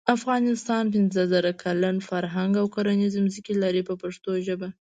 افغانستان پنځه زره کلن فرهنګ او کرنیزې ځمکې لري په پښتو ژبه.